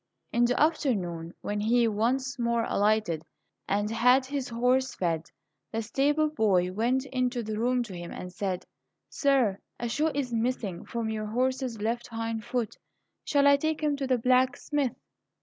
In the afternoon, when he once more alighted and had his horse fed, the stable boy went into the room to him and said, "Sir, a shoe is missing from your horse's left hind foot. Shall I take him to the blacksmith?"